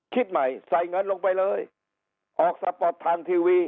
คิดใหม่ใส่เงินลงไปเลยออกสปอร์ตทางทีวี